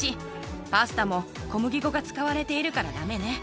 小麦粉が使われているからダメね。